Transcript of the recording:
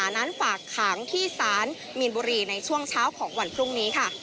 นั้นฝากขังที่ศาลมีนบุรีในช่วงเช้าของวันพรุ่งนี้ค่ะ